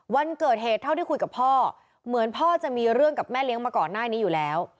วันเกิดเหตุเท่าที่คุยกับพ่อเหมือนพ่อจะมีเรื่องกับแม่เลี้ยงมาก่อนหน้านี้อยู่แล้ว